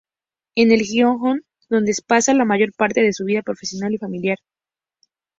Es en Gijón donde pasa la mayor parte de su vida profesional y familiar.